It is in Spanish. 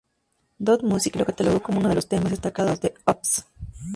Dot Music lo catalogó como uno de los temas destacados de "Oops!...